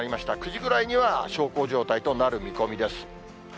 ９時ぐらいには小康状態となる見込みです。